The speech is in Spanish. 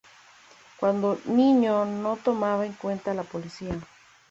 Cuando niño no tomaba en cuenta la política.